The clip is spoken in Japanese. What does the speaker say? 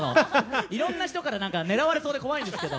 いろんな人からねらわれそうで怖いんですけど。